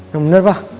ya benar pak